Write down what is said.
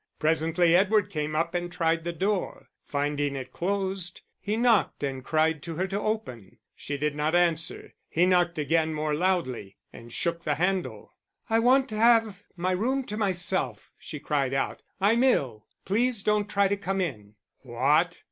Presently Edward came up and tried the door. Finding it closed, he knocked and cried to her to open. She did not answer. He knocked again more loudly and shook the handle. "I want to have my room to myself," she cried out; "I'm ill. Please don't try to come in." "What?